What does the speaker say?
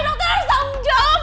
dokter harus tanggung jawab